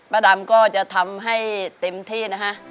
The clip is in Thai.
ดำก็จะทำให้เต็มที่นะฮะ